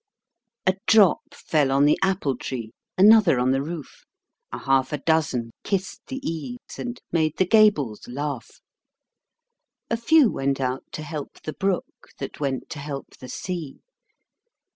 A drop fell on the apple tree, Another on the roof; A half a dozen kissed the eaves, And made the gables laugh. A few went out to help the brook, That went to help the sea.